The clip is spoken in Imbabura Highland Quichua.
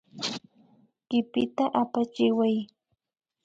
Kipita apachiway